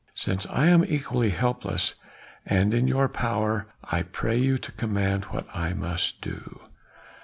Since I am equally helpless and in your power I pray you to command what I must do."